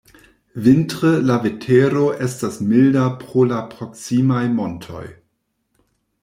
Vintre la vetero estas milda pro la proksimaj montoj.